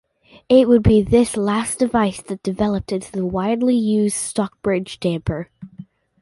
It would be this last device that developed into the widely used Stockbridge damper.